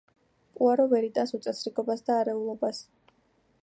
პუარო ვერ იტანს უწესრიგობას და არეულობას.